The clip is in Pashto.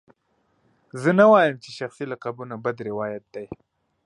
زه نه وایم چې شخصي لقبونه بد روایت دی.